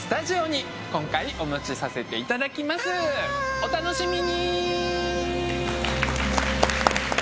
お楽しみに！